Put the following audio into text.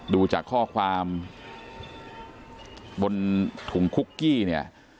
ดูจากข้อความบนถุงคุกกี้เนี่ย